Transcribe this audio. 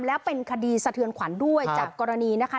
แล้วเป็นคดีสะเทือนขวัญด้วยจากกรณีนะคะ